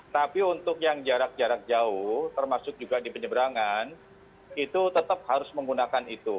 tapi untuk yang jarak jarak jauh termasuk juga di penyeberangan itu tetap harus menggunakan itu